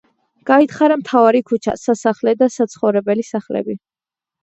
გაითხარა მთავარი ქუჩა, სასახლე და საცხოვრებელი სახლები.